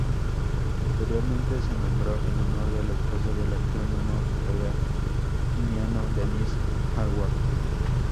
Posteriormente se nombró en honor de la esposa del astrónomo australiano Dennis Harwood.